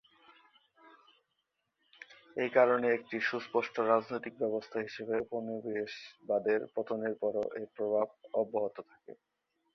এই কারণে একটি সুস্পষ্ট রাজনৈতিক ব্যবস্থা হিসেবে উপনিবেশবাদের পতনের পরও এর প্রভাব অব্যাহত থাকে।